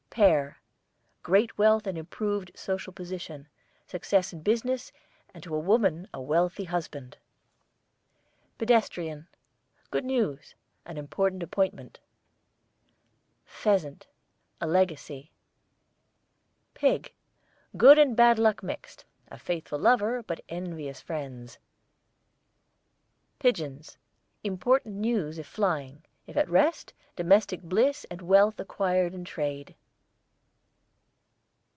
PEAR, great wealth and improved social position; success in business, and to a woman a wealthy husband. PEDESTRIAN, good news; an important appointment. PHEASANT, a legacy. PIG, good and bad luck mixed: a faithful lover but envious friends. PIGEONS, important news if flying; if at rest, domestic bliss and wealth acquired in trade.